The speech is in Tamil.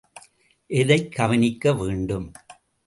எதைக் கவனிக்க வேண்டும்?